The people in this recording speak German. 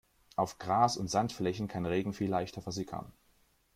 Auf Gras- und Sandflächen kann Regen viel leichter versickern.